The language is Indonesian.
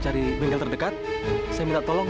cari bengkel terdekat saya minta tolong